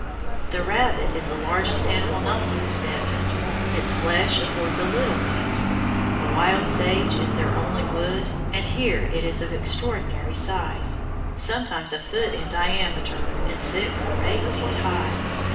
"The rabbit is the largest animal known in this desert, its flesh affords a little meat.... The wild sage is their only wood, and here it is of extraordinary size sometimes a foot in diameter and six or eight feet high.